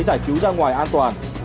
giải cứu ra ngoài an toàn